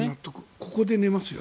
ここで寝ますよ。